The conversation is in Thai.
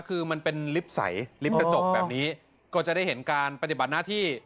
คือมันเป็นลิฟต์ใสลิฟต์กระจกแบบนี้ก็จะได้เห็นการปฏิบัติหน้าที่